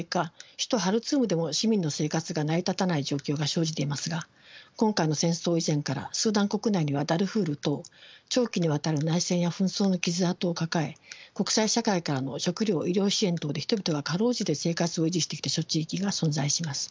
首都ハルツームでも市民の生活が成り立たない状況が生じていますが今回の戦争以前からスーダン国内にはダルフール等長期にわたる内戦や紛争の傷痕を抱え国際社会からの食糧・医療支援等で人々が辛うじて生活を維持してきた諸地域が存在します。